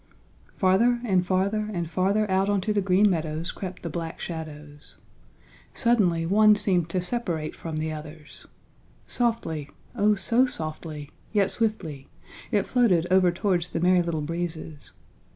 Farther and farther and farther out onto the Green Meadows crept the black shadows. Suddenly one seemed to separate from the others. Softly, oh so softly, yet swiftly, it floated over towards the Merry Little Breezes.